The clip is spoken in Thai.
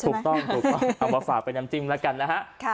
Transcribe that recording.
ถูกต้องถูกต้องเอามาฝากเป็นน้ำจิ้มแล้วกันนะฮะ